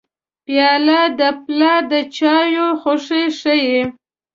پیاله د پلار د چایو خوښي ښيي.